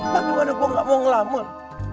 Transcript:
bagaimana gue gak mau ngelamon